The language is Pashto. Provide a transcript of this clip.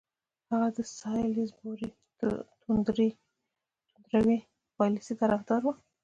هغه د سالیزبوري توندروي پالیسۍ طرفدار وو.